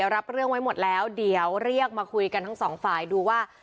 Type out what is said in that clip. รับเรื่องไว้หมดแล้วเดี๋ยวเรียกมาคุยกันทั้งสองฝ่ายดูว่า